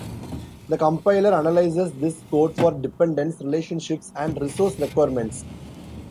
The compiler analyzes this code for dependence relationships and resource requirements.